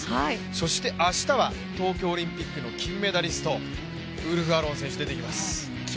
そして明日は東京オリンピックの金メダリスト、ウルフアロン選手、出てきます。